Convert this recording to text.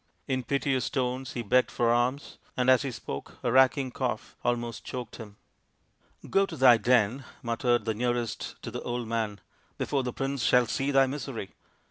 In piteous tones he i 7 4 THE INDIAN STORY BOOK begged for alms, and as he spoke a racking cough almost choked him. " Get to thy den," muttered those nearest to the old man, " before the prince shall see thy misery."